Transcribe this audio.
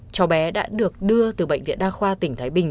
cháu bé đã được đưa từ bệnh viện đa khoa tỉnh thái bình